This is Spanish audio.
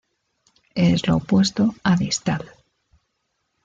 Es lo opuesto a distal.